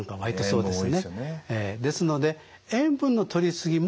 ですので塩分のとり過ぎも